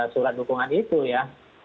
surat dukungan itu ya